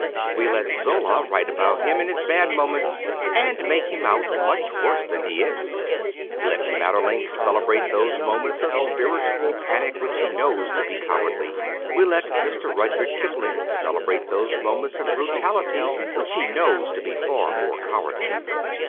We let Zola write about him in his bad moments, and make him out much worse than he is. We let Maeterlinck celebrate those moments of spiritual panic which he knows to be cowardly ; we let Mr. Rudyard Kipling celebrate those moments of brutality which he knows to be far more cowardly.